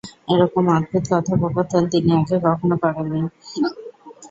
এ-রকম অদ্ভুত কথোপকথন তিনি আগে কখনো করেন নি।